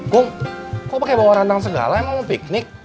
kum kok pakai bawa rendang segala emang mau piknik